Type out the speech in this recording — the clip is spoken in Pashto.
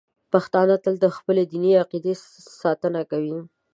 پښتانه تل د خپلې دیني عقیدې ساتنه کوي.